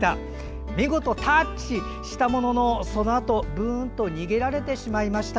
見事、タッチしたもののそのあとブーンと逃げられてしまいました。